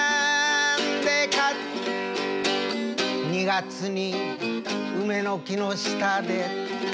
「２月に梅の木の下で」